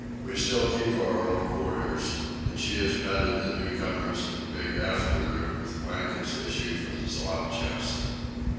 We still keep our old quarters, and she has bedded the new comers in the big after room with blankets issued from the slop chest.